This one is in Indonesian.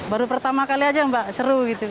baru pertama kali aja mbak seru gitu